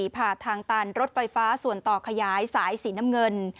ผ่านทางตันรถไฟฟ้าส่วนต่อขยายสายสีน้ำเงิน